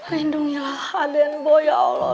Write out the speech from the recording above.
lindungilah aden boy ya allah